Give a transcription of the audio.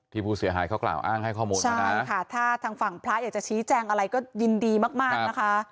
ผู้เสียหายเขากล่าวอ้างให้ข้อมูลเท่านั้นใช่ค่ะถ้าทางฝั่งพระอยากจะชี้แจงอะไรก็ยินดีมากมากนะคะ